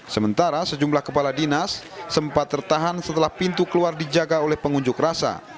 sementara sejumlah kepala dinas sempat tertahan setelah pintu keluar dijaga oleh pengunjuk rasa